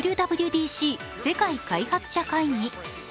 ＷＷＤＣ＝世界開発者会議。